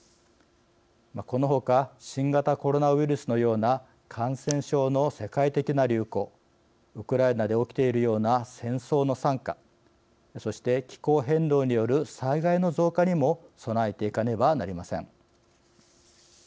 この他新型コロナウイルスのような感染症の世界的な流行ウクライナで起きているような戦争の惨禍そして、気候変動による災害の増加にも備えていかねばなりません。